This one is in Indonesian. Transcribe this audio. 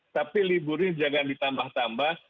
tapi libur ini jangan ditambah tambah